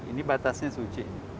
ini batasnya suci